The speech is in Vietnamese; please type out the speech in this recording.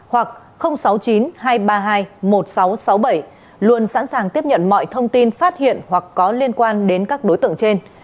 năm nghìn tám trăm sáu mươi hoặc sáu chín hai ba hai một sáu sáu bảy luôn sẵn sàng tiếp nhận mọi thông tin phát hiện hoặc có liên quan đến các đối tượng trên